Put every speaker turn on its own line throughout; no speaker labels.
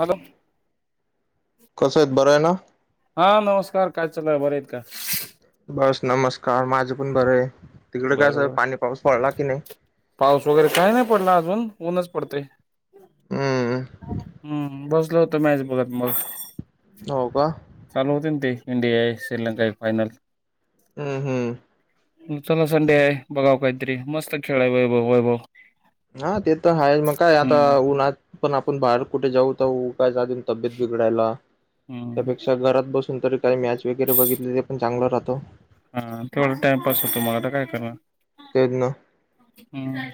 Hello
कसं आहेत बरं आहे ना?
हा नमस्कार काय चाललंय बरं आहेत का?
बस नमस्कार माझं पण बरं आहे, तिकडे काय
बर
स
बर
पाणी पाऊस पडला की नाही?
पाऊस वगैरे काही नाही पडला अजून ऊनच पडतंय.
हम्म
हम्म बसलो होतो मॅच बघत मग,
हो का
चालू होते ना ते इंडिया श्रीलंका फायनल
हम्म हम्म
चला संडे आहे, बघावं काही तरी मस्तं खेळलाय वैभव वैभव
हा ते तर आहेा मग काय आता
हम्म
उन्हात पण आपण बाहेर कुठे जाऊ तर तब्येत बिघडायला
हम्म
त्यापेक्षा घरात बसून तरी काही मॅच वगैरे बघितले ते पण चांगलं राह
हा तेथवडा टाइमपास होतो मला आता काय करणार
तेच ना
हम्म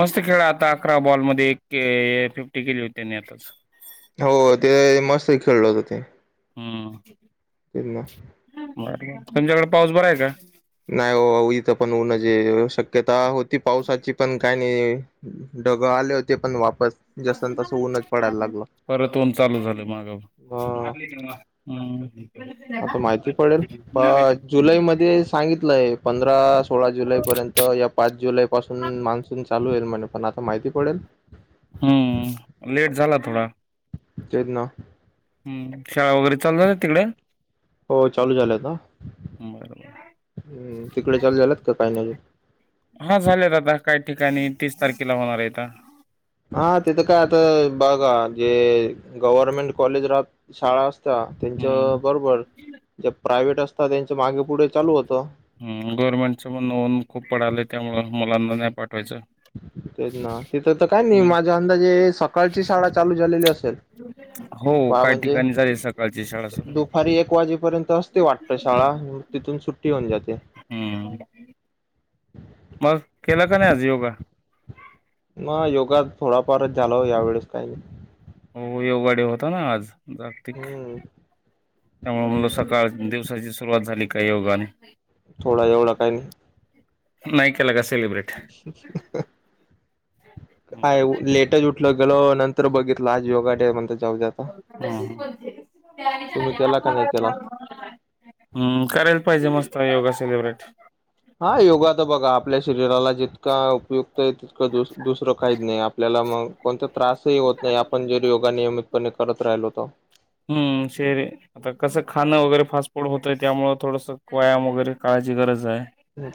मस्त खेळ आता अकरा बॉलमध्येध्ये एक फिफ्टी केली होतीनी आताच
हो ते मस्त खेळलं होत ते
हम्म
ते ना
तुमच्याकडे पाऊस बरा आहे का
नाही हो इथं पण होऊन जे शक्यता होती पावसाची पण काय नाही ढग आले होते पण वापस जसन तसं ऊनच पडायला लागलं
परत होन चालू झालं माग मार [inaudible]
हाता माहिती पडेल जुलैमध्येध्ये सांगितलंय पंधरा सोळा जुलैपर्यंत या पाच जुलै पासून मान्सून चालू होईल म्हणे पण आता माहिती पडेल
हम्म लेट झाला थोडा
तेचं ना
हम शाळा वगैरे चालत ना तिकडे
हो चालू झालंत
बरोबर
हम् तिकडे चालू झाल्यात का काही नाही
हा झाले दादा काही ठिकाणी तीस तारखेला होणार आहेता
हा तिथं काय आता बघा जे गव्हर्मेंट कॉलेज राह शाळा असत त्यांच्या
हम्म
बरोबर ज प्रायव्हेट असत त्यांच मागे पुढे चालू होतं
हम गव्हर्नमेंटच मण नोन खूप पडाले त्यामु मुलांना नाही पा
तेच ना तिथं तर काय नाही
हम्म
माझ्या अंदाजे सकाळची शाळा चालू झालेली असते
हो
बाबा
काही
म्हणजे
ठिकाणी झाली सकाळची शाळा सुरू
दुपारी एक वाजेपर्यंत असते वाटत शाळा तिथून सुट्टी होऊन जाते
हम्म मग केला का नाही आज योगा
मग योगा थोडाफारच झाला या वेळेस काही नाही
हो योगा डे होता ना आज जागतिक
हम्म
त्यामुळे सकाळ दिवसाची सुरुवात झाली का योगाने
थोडा एवढं काही नाही
नयक्यालगा कसं बरं
काय लेटच उठलो गेलो नं तर बघितलं आज योगा डे हाय म्हणतात
तशीच म्हणते त्यांच्या
तुम्ही
या
केला का नाही
भागात
केला?
ऱ्हाव म्ह हम्म करायला पाहिजे मस्त योगा सेलिब्रेट
हा योगा तर बघा आपल्या शरीराला जितका उपयुक्त आहे तितकं दुस दुसरं काहीच नाही आपल्याला मग कोणता त्रासही होत नाही आपण जर योगा नियमितपणे करत राहिलो तर
हम् शेर अय आता कसं खाणं वगैरे फास्ट फूड होतंय त्यामुळे थोडस व्यायाम वगैरे काय त्याची गरज आहे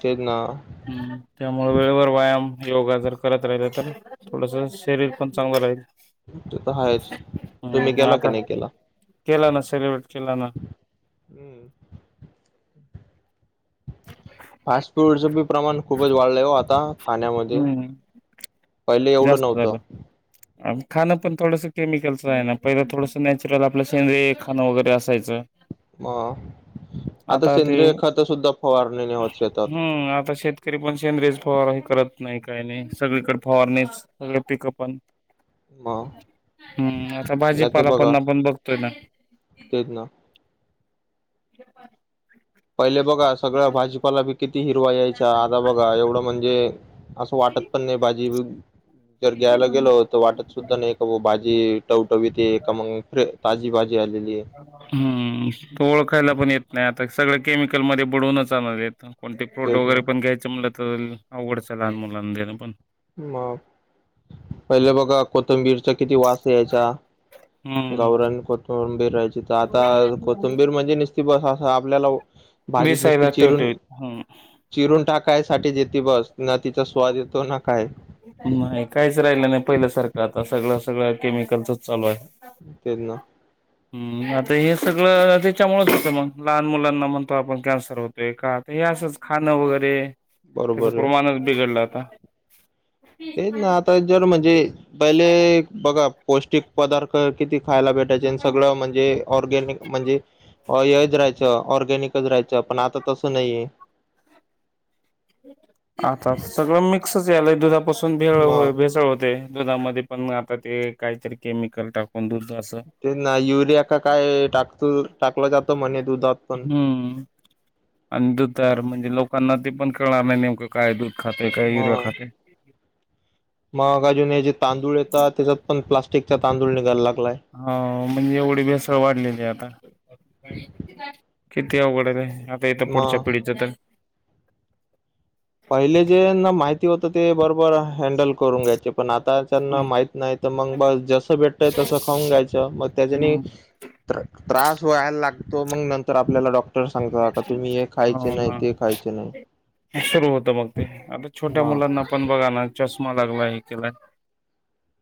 तेच ना
आहे त्यामुळे वेळेवर व्यायाम योगा जर करत राहिलं तर थोडस शरीर पण चांगलं राहील
ते तर हायच तुम्ही
हम्म
केला की
आता
नाही केला
केला ना सेलिब्रेट केला ना
हम्म फास्ट फूडच बी प्रमाण खूपच वाढलंय हो आता खाण्यामध्ये
हम्म
पहिले एवढं
जास्त
नव्हतं
झालं खाणं पण थोडंसं केमिकलचं आहे ना पहिलं थोडसं नॅचरल आपलं सेंद्रिय हे खाणं वगैरे असायचं
म
आता ते
नेवत शेतात
हम्म आता शेतकरी पण शेंद्रे फवारनीं करत नाही, काही नाही सगळीकडे फवारनीच सगळे पिकपण
मग
हम्म आता
नाही तर
भाजीपाला
बघा
पणना पण बघतोय ना
तेच ना
घे पाणी
पहिले बघा सगळं भाजीपाला बी किती हिरवा यायचा आता बघा एवढं म्हणजे असं वाटत पण नाही भाजी जर घ्यायला गेलो तर वाटत सुद्धा ना का भाजी टवटवीत मग फ्रेश
हम्म तो ओळखायला पण येत नाही आता सगळं केमिकल मध्ये बडवूनच आलावर येत कोणते प्रॉडक्ट
तेच ना
वगैरे पण घ्यायचं म्हटलं तर आवघडचं आहे लहान मुलांना देणं पण
मग पहिले बघा कोथंबीरचा किती वास यायचा
हम्म
गावरान कोथंबीर राहायची, तर आता कोथंबीर म्हणजे निसती बस अस आपल्याला भाजीत नसते
दिसायला
चिरून
ठेवठेवीत हम्म
चिरून टाक काय साठी देते बस ना तिचा स्वाद येतो ना काय
नाही काहीच राहिलं नाही पहिल्या सारखं आता सगळ सगळ केमिकलचच चालू आहे
तेच ना
हम्म आता हे सगळं त्याच्यामुळेच होतं मग लहान मुलांना म्हणतो आपण कॅन्सर होतोय का हे असंच खाणं वगैरे त्याच
बरोबर आहे
प्रमाणच बिघडलं आता
तेच ना आता जर म्हणजे पहिले बघा पौष्टिक पदार्थ किती खायला भेटायचे आणि सगळं म्हणजे ऑर्गॅनिक म्हणजे ऑयच राहायचं ऑर्गॅनिकच राहायचं पण आता तसं नाहीय आहे [inaudible]
आता सगळं मिक्सच यायल दुधापासून भेळ
मग
भेसळ होते. दुधामध्ये पण आता ते काहीतरी केमिकल टाक
ते ना युरिया का काय टाकतो.
हम्म अं दूधवर तरर म्ह ते लोकांना ते पण कळणार नाही, नेमकं काय दूध खाते काय युरिया
मग
खाते
मग अजून हे जे तांदूळ येतात त्याच्यात पण प्लास्टिक चा तांदूळ निघायला. लागलाय
हा म्हणजे एवढी भेसळ वाढलेली आता किती अवघड आहे रे आता येत पुढच्या
मग
पिढीचं तर
पहिले जे ना माहिती होतं ते बरोबर हाय हँडल करून घ्यायचे पण आता त्यांना माहित नाही तर मग ब जसं भेटतय तसं खाऊन घ्यायचं मग त्याज्यांनी
हम्म.
त्रास व्हायला लागतो मग नंतर आपल्याला डॉक्टर र सांगता का का तुम्ही हे खायचे
हो
नाही,
ना
ते खायचे नाही
सुरू होतं मग ते,, आता छोट्या
म
मुलांना पण बघा ना चष्मा लागलाय, ऐकलंय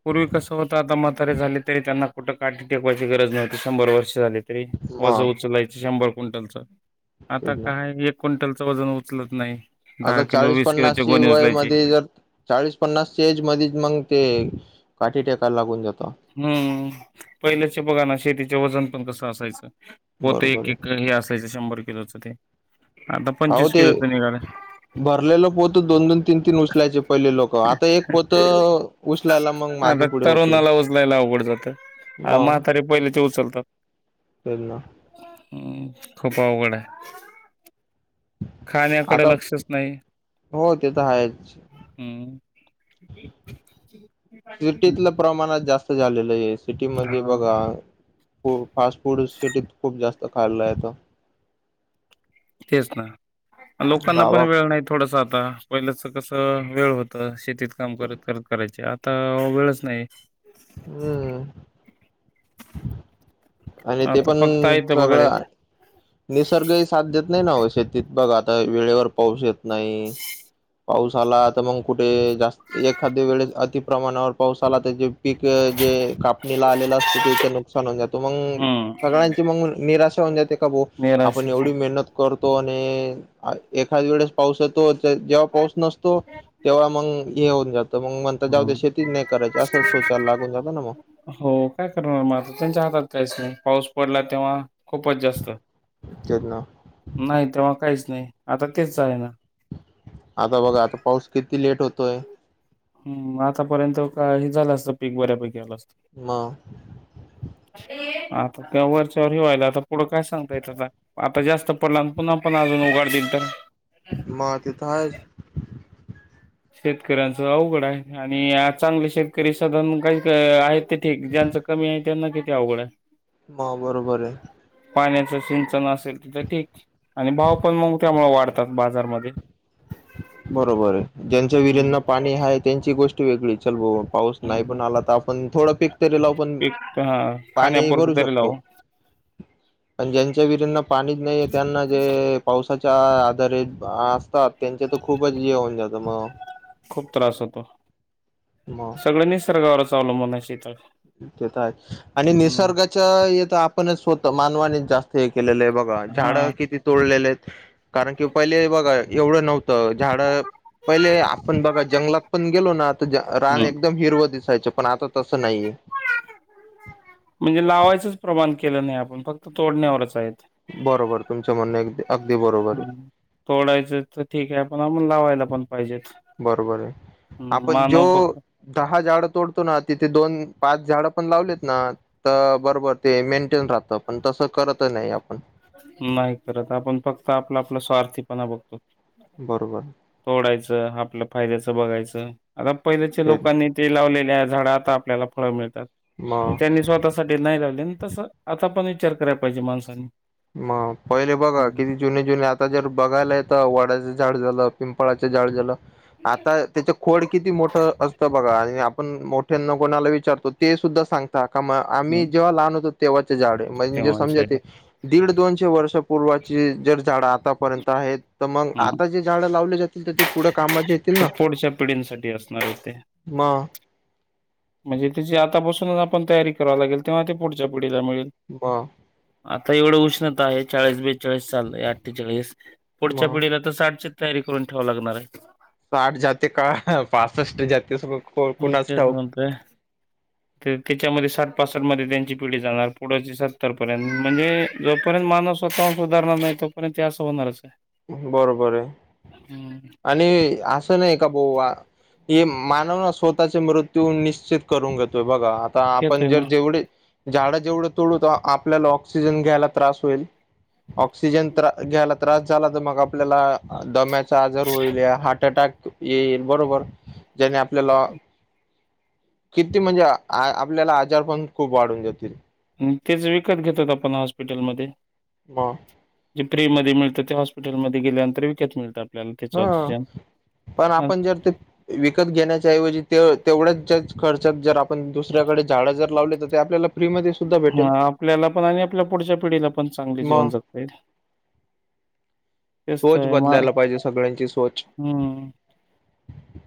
पूर्वी कसं होतं आता मथारे झाले तरी त्यांना कुठं काठी टेकवायची गरज नव्हती शंभर वर्ष झाली ते वज
म
उचलायचं शंभर क्विंटलच आता
तेच ना
काय एकऽऽ क्विंटलचं वजन उचलत नाही.
आता
दहा किलो
चाळीस
वीस
पन्नास
किलोचे
ची
गोणी
वय
उचलायचे
मध्ये जर चाळीस पन्नास ची एज मध्येच मगंऽऽ तेऽ काठी टेकाय लागून जातं.
हम्म, पहिल्याचे बघा ना शेतीचे वजन पण कसं असायचं? पोत
बरोबर
एक,
आहे
एक हे असायचं शंभर किलोच ते आता
अहो
पंचवीस
ते,
किलोच निघालं.
भरलेलं पोतं दोन, दोन तीन, तीन उचलायचे पहिले लोकं, आता एक पोत उचलायला मगं मागे
आता
पुढे होतील.
तरुणाला उचलायला म्हातारे पहिले ते उचल
हो ना.
खूप आवघड हाय. खाण्याकडे
आता
लक्षच नाही
हो ते तर आहेच.
हम्. ह. [unintelligible]
सिटीतलं प्रमाणाच जास्त झालेलं सिटीमध्ये
हा
बघा, फास्ट फूड सिटीत खूप जास्त त खाल्ला येतो.
तेस ना, लोकांना पण
गावात
वेळ नाही थोडसं आता. पहिल्याचं कसं वेळ होतं. शेत तीत काम करत करत करायची. आता वेळच नाई.
हम्म. आणि ते
आता
पण
फक्त आहे ते बघायलेत
सगळं निसर्गही साथ देत नाही ना अव शेतीत बघ आता वेळेवर पाऊस येत नाई. पाऊस आला त मंग कुठे जास्त, एखाद्या वेळेस अतिप्रमाणावर पाऊस आला त जे पीक क जे कापणीला आलेलं असतं तेचं नुकसान होत् मंग,
हम्म
सगळ्यांची मगं निराशा होऊन जाते का भो,
निराश
आपण एवढी
हम्म
मेहनत कर तो आणि, एखाद वेळेस पाऊस यतो. जेव्हा पाऊस नसतो, तेव्हा मंग हे होऊन जातं. मंग मन्तं जाऊदे शेतीच नाही करायची असं स चा लागून जातं ना म.
हो काय करणार म आता, त्यांच्या हा अस्नी, पाऊस पडला तेंव्हा खूपच जास्त.
तेच ना
नाही, तेव्हा काहीच नाही. आता तेच आहे ना.
आता बघा, आता पाऊस किती लेट होतोय.
हम्म, आतापर्यंत का हे झालं असं पीक बऱ्यापैकी आलं अस
म
आता त्या वरच्यार हे व्हायलय, आता पुढं काय सांगता येत आता. आता जास्त पडला, पुन्हा पण अजून उघाड दिल तर?
मा ते त हायच.
शेतकऱ्यांच अवघड आहे. आणि चांगले शेतकरी साधारण काही क आहेत ते ठीक, ज्यांच कमी आय त्यांना किती आवघड आय.
म, बरोबर आय.
पाण्याचं सिंचन असेल तिथं ठीक. आणि भाव पण मंग त्यामुळे वाढतात बाजारमध्ये.
बरोबर ए. ज्यांच्या
हम्म
विरिंना पाणी हाय त्यांची गोष्ट वेगळी. चल बो पाऊस नाही
हम्म
पण आला त आपण थोडं पीक तरी लावू पण
हां,
पाणी
खाण्यापुरतं
भरू
तरी लावू.
शकतो. पण ज्यांच्या विरींना पाणीच नाहीये त्यांना जे पावसाच च्या आधारित आसतात त्यांचे तर खूपच ज होऊन जात मग.
खूप त्रास होतो.
मग
सगळं निसर्गावरच अवलंबून आय शेतात.
ते त आय, आणि
हम्म
निसर्गाच्या हेत आपणच स्वत मानवाने जास्त हे केलेलं आहे बघ.
हा
झाडं किती तोडलेले हेत, कारण की पहिले बघा एवढं नव्हतं झाडं, पहिले आपण बघा जंगलात पण गेलो ना त ज रान
हम्म
एकदम हिरवं दिसायचं पण आता तसं नाइये.
म्हणजे लावायचच प्रमाण केल नाही आपण फक्
बरोबर तुमचे म्हणणे अग अगदी बरोबर ये.
तोडायच तर ठीकये आपण लावायला पण पाहिजेत
बरोबर ये
हम्म
आपण जो
मानव फक्त
दहा झाडं तोडतो ना तिथ ते दोन पाच झाड पण लावलीत ना, त बरोबर ते मेंटेन राहत पण तस करत नायी आपण.
नाही करत आपण फक्त आपला आपला स्वार्थीपणा बघतो.
बरोबर
तोडायच आपल फायद्याच बघायच. आता पहिल्याच्या
ते
लोकांनी ते लावलेल्या ये झाड आता आपल्याला फळ मिळ
मग
त्यांनी स्वतःसाठी नाही लावले, तस आता पण विचार करायला पाहिजे माणसांनी.
मग पहिले बघा किती जुने जुने आता जर बघायलाय तर वडा झाड झाल, पिंपळाच झाड झाल, आता त्याच खोड किती मोठ असत बघा. आपण मोठ्यांना कोणाला विचारतो ते सुद्धा सांगतात का आम्ही जेव्हा लहान होतो तेव्हाचे झाडे म्हणजे समजा
तेव्हाचे
ते दे वर्ष पूर्वाची जर झाड आतापर्यंत आहेत तर म
ह
आता जे झाड लावलेले त तिथ ते पुढ कामाचेत
पुढच्या पिढींसाठी असणारे ते
मग
म्हणजे तचीे आता पसूनच आपण तयारी करावी लागेल तेव्हा ते पुढच्या पिढीला मिळेल.
म
आता एवढं उष्णता आये चाळीस बेचाळीस चालय अठ्ठेचाळीस पुढच्या
मग
पिढीला तर साठशे तयारी करून ठेवा लागणार अये.
साठ जाते का पासष्ट जाते अस.
हम् तेच म्हणतोय ते त्याच्यामध्ये सा पासष्ट मध्ये त्यांची पिढी जाणार पुढची सत्तर पर्यंत म्हणजे जोपर्यंत मानस स्वतःहुण सुधारणार नायी तोर्यंत असं होणारच. आहे
बरोबर ये
हम्म
आणि अस नाही का बो आ हे मानव ना स्वतःचे मृत्यू निश्चित करून घेतोय बघा आता आपण
येतोय
जर
ना
जेवढे झाडं जेवढं तोडू तेवढ आपल्याला ऑक्सिजन घ्यायला त्रास होईल. ऑक्सिजन त्रा घ्यायला त्रास ला तर मग आपल्याला दम्याचा आजार होईल हार्ट अटॅक ये येईल बरोबर ज्याने आपल्याला किती म्हणजे आपल्याला आजार पण खूप वाढून जातील
तेच विकत घेतात आपण हॉस्पिटलमधे
[inaudible]
जे फ्री मधे मिळत ते हॉस्पिटलमध्ये गेल्यानंतर विकत मिळत आपल्याला त्याच
ह
ऑक्सिजन
पण आपण जर ते विकत घेण्याच्याऐवजी ते तेवढ्याच खर्च जर आपण दुसऱ्याकडे झाड जर लावले तर ते आपल्याला फ्रीमध्ये सुद्धा
हा
भेटेल
आपल्याला पण आणि आपल्या पुढच्या पिढीला प पण चांगले जीवन
मग
जगता येईल. [unintelligible] तेचत
सोच
आहे म,
बदलायला पाहिजे सगळ्यांची सोच.
हम्म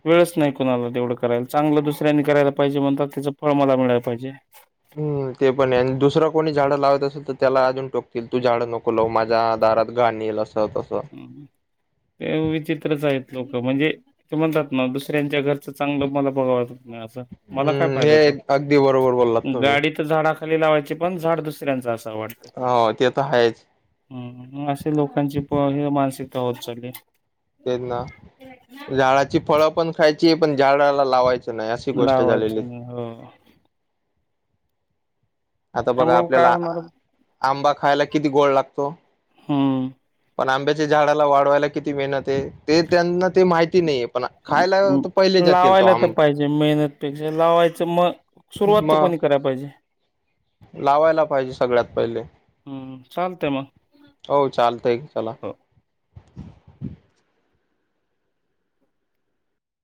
वेळच नाही कोणाला तेवढ करायला चांगल दुसऱ्यांनी करायला पाहिजे म्हणतात त्याचं फळ मला मिळायला पाहिजे.
हम, ते पण आणि दुसर कोणी झाड लावत असतील तर त्याला अजून टोकतील तू झाड नको लावु माझ्या दारात गाण इल अस.
अम्म्म, ते विचित्रच आइत. लोक म्हणजे ते म्हणतात ना दुसऱ्यांच्या घरच चांगल मला बघाव नाही अस, मला काय
हम्म
फायदा ये
हे
तो
अगदी बरोबर बोललात तुम्ही
गाडी तर झाडाखाली लावायची पण झाड दुसऱ्यांचा अस वाटत.
हो ते तर आहेच
हम्म असे लोकांची प हे मानसिकता होत चालीय.
ते ना, झाळाची फळं पण खायची पण झाडाला लावायची नाही अशी गोष्ट झालेली.
लावायचं नाही हो.
आता बघा
त्यामुळे काय
आपल्याला आ
होणार
आंबा खायला किती गोळ लागतो.
हम्
पण आंब्याच्या झाडाला वाढवायला किती मेहनत हे, ते त्यांना ते माहिती नहीये.
म् लावायला त पाहिजे मेहनत पेक्षा, लावायचं म सुरुवात त कोणी
मग
करा पाहिजे.
लावायला पाहिजे सगळ्यात पहिले.
हम्म चालतंय मग
हो चालतंय, चला.
हो.